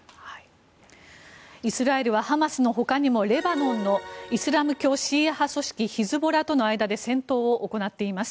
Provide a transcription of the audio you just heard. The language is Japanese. イスラエルはハマスの他にも、レバノンのイスラム教シーア派組織ヒズボラと戦闘を行っています。